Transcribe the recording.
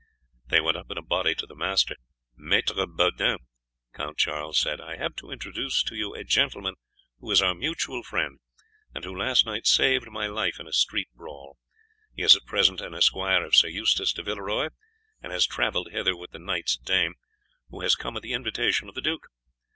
They went up in a body to the master. "Maître Baudin," Count Charles said, "I have to introduce to you a gentleman who is our mutual friend, and who last night saved my life in a street brawl. He is at present an esquire of Sir Eustace de Villeroy, and has travelled hither with the knight's dame, who has come at the invitation of the duke.